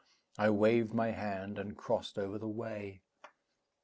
I waved my hand, and crossed over the way.